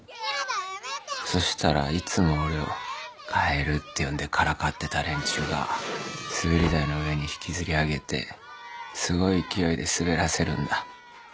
そしたらいつも俺をカエルって呼んでからかってた連中が滑り台の上に引きずり上げてすごい勢いで滑らせるんだ。